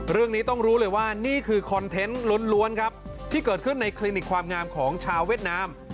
เรื่องนี้ต้องรู้เลยว่านี่คือคอนเทนต์ล้วนครับที่เกิดขึ้นในคลินิกความงามของชาวเวียดนาม